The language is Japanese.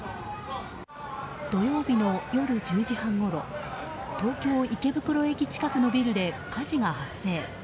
土曜日の夜１０時半ごろ東京・池袋駅近くのビルで火事が発生。